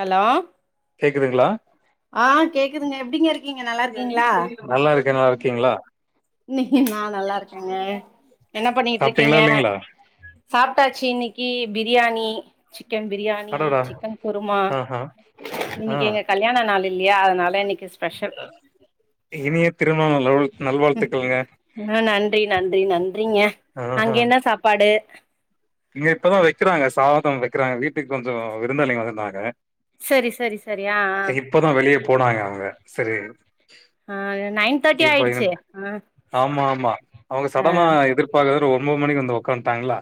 hello கேக்குதுங்களா ஆ கேக்குதுங்க எப்டிங்க இருக்கீங்க நல்லா இருக்கீங்ளா கீங்ளா நீ நா நல்லா இருக்கேங்க என்ன சாப்ட்டீங்களா பண்ணிட்டுருக்கீங்க இல்லைங்களா சாப்ட்டாச்சி இன்னக்கி ப்ரியாணி சிக்கன் பிரியாணி அடடா சிக்கன் குருமா ஆஹா ஆ இன்னக்கி எங்க கல்யாண நாள் இல்லையா அதனால இன்னக்கி ஸ் இனிய திருமண லெவல் நல்வாழ்த்துக்களுங்க ஆ நன்றி நன்றி நன்றிங்க ஆஹா அங்க என்ன சாப்பாடு இங்க இப்பதா வெக்கிறாங்க சாதோ வெக்கிறாங்க வீட்டுக்கு கொஞ்சோ விருந்தாளிங்க வந்திருந்தாங்க செரி செரி செரி ஆ இப்பதா வெளியே போனாங்க அவ்ங்க சரி ஆ நைன் தேர்ட்டி இப்ப ஆயிடுச்சு எனக் ஆ ஆமா ஆமா அவ்ங்க ஆ சடனா எதிர் ப எல்லாரு ஒன்பது மணிக்கு வந்து உக்காந்துட்டாங்கல்ல‌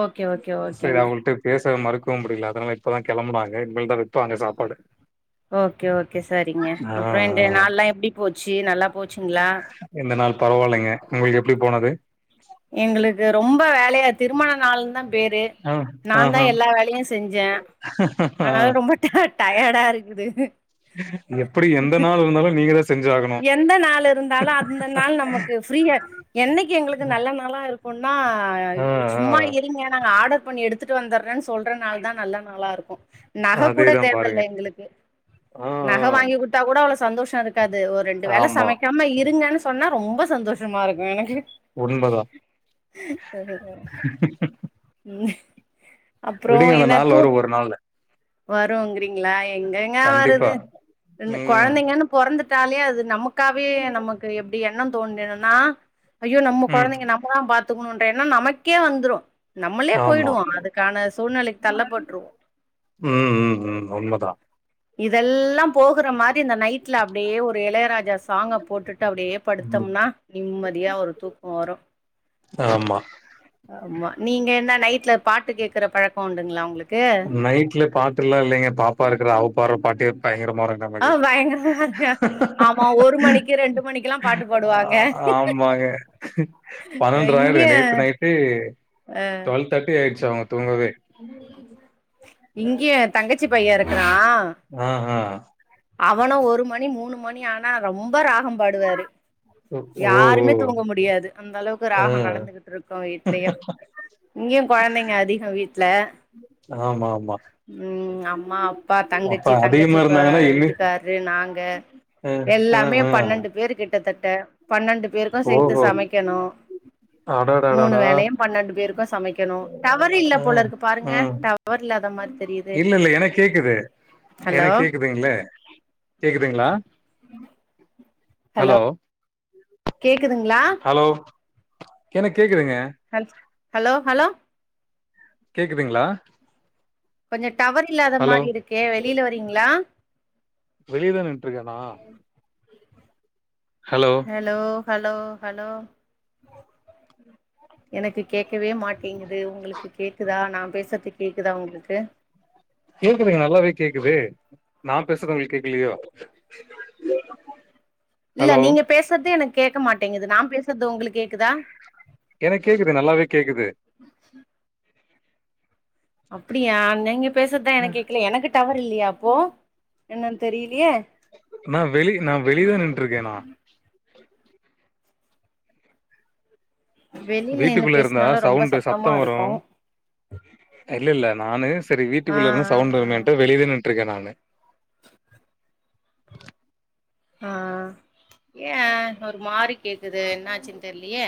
ஓகே ஓகே செரி ஓகேங்க அவங்கள்ட்ட பேச மறுக்கவு முடியல அதனால இப்பதா கெளம்புனாங்க இனிமேல்தா வெப்பாங்க சாப்பாடு ஓகே ஓகே சரிங்க ஆ அப்றோ இன்டய ஆ நாள்லா எப்டி போச்சு நல்லா போச்சுங்ளா இந்த நாள் பரவால்லைங்க உங்களுக்கு எப்டி போனது எங்களுக்கு ரொம்ப வேலையா திருமண நாள் தா பேரு ஆ நாந்தா ஆஹா எல்லா வேலயு செ செஞ்சே ஆ ஆனால ரொம்ப டய டய‌டா இருக்குது எப்டி எந்த நாள் இருந்தாலு நீங்க தா செஞ்சு ஆகணு எந்த நாள் இருந்தாலு அந்த நாள் நமக்கு ஃப்ரீயா என்னக்கீ எங்களுக்கு நல்ல நாளா இருக்குன்னா ஆ யோச்சு ஆ சும்மா இரிங்க நாங்க ஆடர் பண்ணி எடுத்துட்டு வந்துறேன்னு சொல்ற நாள் தா நல்ல நாளாருக்கு நக கூட அதேதா பாருங்க தேவயில்ல எங்களுக்கு ஆ நக வாங்கி குடுத் தா கூட அவ்ளோ சந்தோஷோ இருக்காது ஒரு ரெண்டு ஆ வேல ஆமா சமக்காம இருங்கன்னு சொ சொன்னா ரொம்ப சந்தோஷமாருக்கும் எனக்கு உண்மதா ம் அப்றோ விடுங்க அந்த என்னா நாள் தூ வரு ஒரு நாள்ல வருங்கிறீங்களா எங்கெங்க கண்டிப்பா வருது ரெண்டு ம் கொழந்தைங்கன்னு பொறந்துட்டாலே அது நமக் காவே நமக்கு எப்டி எண்ணோ தோண்டிடுன்னா ஐயோ நம்ம ம் கொழந்தைங்க நம்மதா பாத் த்துக்கணுங்ற எண்ணம் நமக்கே வந்துரு நம்மளே ஆமா போயிடுவோ அதுக்கான சூழ்நிலைக்கு தள்ளப்பட்டுருவோ ம் ம் ம் உண்மதா இதெல்லா போகுற மா தி இந்த நைட்ல அப்டியே ஒரு எளையராஜா சாங்க போட்டுட்டு அப்டியே ம் படுத்தோம்னா நிம்மதியா ஒரு தூக் கோ வரும் ஆமா ஆமா நீங்க என்ன நைட்ல பாட்டு கேக்குற பழக்க உண்டுங்களா உங்களுக்கு நைட்ல பாட்டுலா இல்லைங்க பாப்பா இருக்குறா அவ பாடுற பாட்டே பயங்கரமாருக் ஆ நமக்கு பயங்கரமா இருக்கு ஆமா ஒரு மணிக்கு ரெண்டு மணிக்குல்லா பாட்டு பாடுவாங்க ஆமாங்க பன்னெண்ட்ர ஆயிரு இங்கேயு நேத் நைட்டே டுவெல் தேட்டி ஆயிடுச்சு அவ்ங்க தூங்கவே இங்கயு ஏ தங்கச்சி பையே இருக்குறா ஆ ஹான் அவனு ஒரு மணி மூணு மணி ஆனா ரொம்ப ராகோ பாடுவாரு ஓ யாருமே ஓ தூங்க முடியாது அந்த அளவுக்கு ராகோ ஆ நடந்துகிட்டு இருக்கு வீட்லயு இங்கயு கொழந்தைங்க அதிகோ வீட்ல ஆமா ஆமா ம் அம்மா அப்பா அப்ப தங்கச்சி தங்கச்சி அதிகமா இப்ப இருந்தாங்கன்னா வீ இன்னு ட்டுகாரு நாங்க அ அ எல்லாமே அ பன்னெண்டு பேர் கிட்டத்தட்ட பன்னெண்டு பேருக்கு சேத்து ஓஹோ சமைக்கணு மூணு அடடடடா வேலையு பன்னெண்டு பேருக்கு சமைக்கணு டவர் இல்ல அ போல இருக்கு பாருங்க ம் டவர் டவர் இல்லாத மாரி தெரியுது இல்ல இல்ல எனக்கு கேக்குது ஹலோ எனக் கேக்குதுங்ளே கேக்குதுங்களா ஹலோ கேட்குதுங்களா ஹலோ எனக்கு கேக்குதுங்க ஹல் ஹலோ ஹலோ கேக்குதுங்களா கொஞ்ச டவர் இல்லாத ஹலோ மாரி இருக்கு வெளியில வரீங்களா வெளியதா நின்னுட்டு இருக்கே நா ஹலோ ஹலோ ஹலோ ஹலோ எனக்கு கேக்கவே மாட்டேங்குது உங்களுக்கு கேக்குதா நா பேசுறது கேக்குதா உங்களுக்கு கேக்குதுங்க நல்லாவே கேக்குது நான் பேசுறது உங்களுக்கு கேக்கலையா ஆ [unintelligible] இல்ல நீங்க பேசுறத எனக்கு கேட்க மாட்டேங்குது நா பேசுறது உங்களுக்கு கேக்குதா எனக்கு கேக்குது நல்லாவே கேக்குது அப்படியா நீங்க பேசுறதுதா எனக் கேக்கல எனக்கு டவர் இல்லையா அப்போ என்னன்னு தெரியலையே நா வெளி நா வெளியதா நின்னுடருக்கே நா வெளில நின்னு வீட்டுக்குள்ள இருந்தா பேசுனாலு ரொம்ப சவுண்டு சத்தமா சத்தோ வரு இருக்கு இல்ல இல்ல நானு சரி ஆ வீட்டுக்குள்ள இருந்து சவுண்ட் ஆ வருமேன்ட்டு வெளியதா நின்னுட்டு இருக்கே நானு ஆ ஏ ஒரு மாறி கேக்குது என்னாச்சுன்னு தெரிலையே